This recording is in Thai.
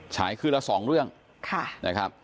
ฉายคืนละสองเรื่องค่ะ